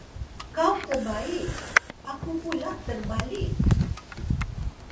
Kau terbaik! aku pulak terbalik.